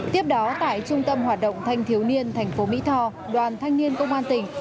tiếp đó tại trung tâm hoạt động thanh thiếu niên thành phố mỹ tho đoàn thanh niên công an tỉnh